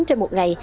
trên một ngày